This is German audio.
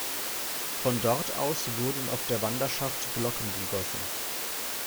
Von dort aus wurden auf der Wanderschaft Glocken gegossen.